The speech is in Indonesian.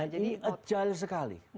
dan ini agile sekali